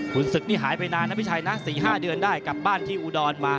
คุณศึกนี่หายไปนานนะพี่ชัยนะ๔๕เดือนได้กลับบ้านที่อุดรมา